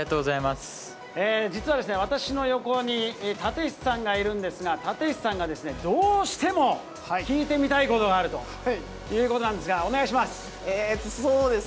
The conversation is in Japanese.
実は、私の横に立石さんがいるんですが、立石さんがどうしても聞いてみたいことがあるということなんですが、お願いします。